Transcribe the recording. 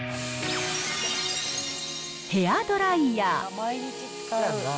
ヘアドライヤー。